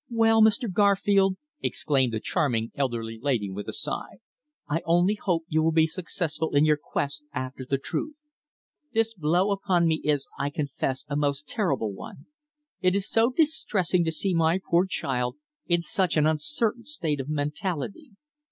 "Well, Mr. Garfield," exclaimed the charming, elderly lady with a sigh, "I only hope you will be successful in your quest after the truth. This blow upon me is, I confess, a most terrible one. It is so distressing to see my poor child in such an uncertain state of mentality.